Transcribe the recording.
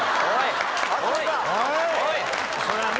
それはね